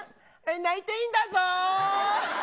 泣いていいんだぞ。